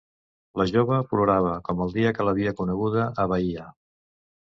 La jove plorava, com el dia que l'havia coneguda a Baia.